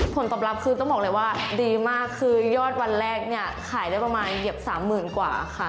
ผลตอบรับคือต้องบอกเลยว่าดีมากคือยอดวันแรกเนี่ยขายได้ประมาณเหยียบสามหมื่นกว่าค่ะ